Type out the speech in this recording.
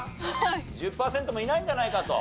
１０パーセントもいないんじゃないかと？